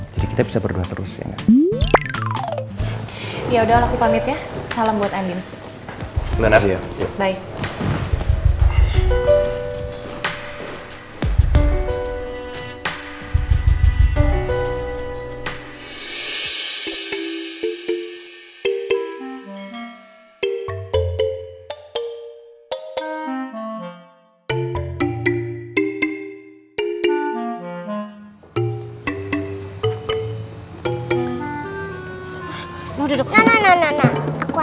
jadi kita bisa berdua terus ya nggak